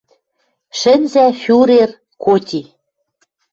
Шӹнзӓ фюрер — коти.